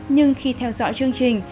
nhưng khi theo dõi chương trình